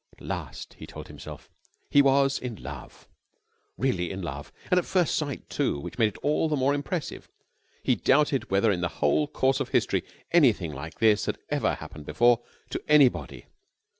At last, he told himself, he was in love, really in love, and at first sight, too, which made it all the more impressive. He doubted whether in the whole course of history anything like this had ever happened before to anybody.